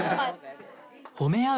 ほめ合う